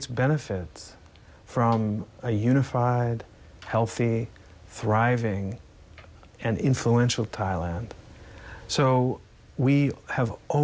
เราไม่อยากเห็นครั้งต่างจากกับครั้งต่างจากจะรอด